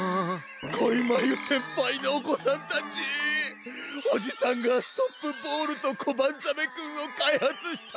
こいまゆせんぱいのおこさんたちおじさんがストップボールとコバンザメくんをかいはつしたんだよ。